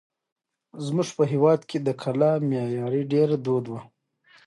زموږ په هېواد کې د کلا معمارۍ ډېره دود وه.